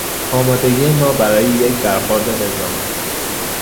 آمادگی ما برای یک برخورد نظامی